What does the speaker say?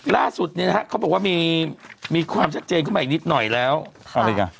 ล่าสุดเนี่ยนะฮะเขาบอกว่ามีมีความชัดเจนขึ้นมาอีกนิดหน่อยแล้วอะไรอ่ะ